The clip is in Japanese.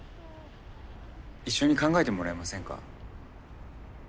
一緒に考えてもらえませんか？